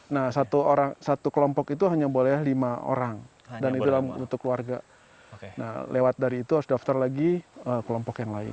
nah satu kelompok itu hanya boleh lima orang dan itu dalam bentuk keluarga lewat dari itu harus daftar lagi kelompok yang lain